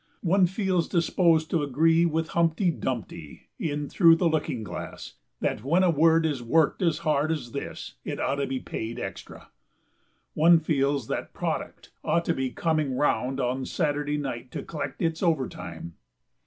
One feels disposed to agree with Humpty Dumpty, in "Through the Looking Glass," that when a word is worked as hard as this it ought to be paid extra. One feels that "product" ought to be coming round on Saturday night to collect its overtime.